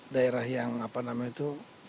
daerah yang apa nama itu